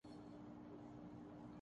کوڑے دان میں بچی ہوئی غذا رکھ کر صرف